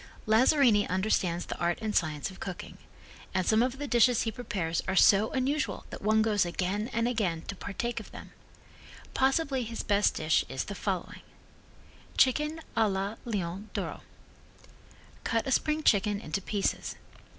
Lazzarini understands the art and science of cooking, and some of the dishes he prepares are so unusual that one goes again and again to partake of them: Possibly his best dish is the following: Chicken a la Leon D'oro Cut a spring chicken into pieces.